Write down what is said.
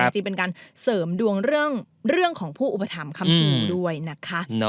จริงเป็นการเสริมดวงเรื่องของผู้อุปถัมภ์คำสูงด้วยนะคะ